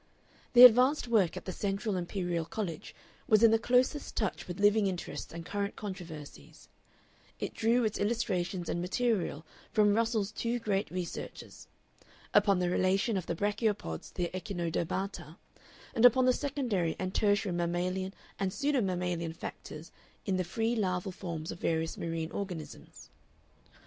The advanced work at the Central Imperial College was in the closest touch with living interests and current controversies; it drew its illustrations and material from Russell's two great researches upon the relation of the brachiopods to the echinodermata, and upon the secondary and tertiary mammalian and pseudo mammalian factors in the free larval forms of various marine organisms.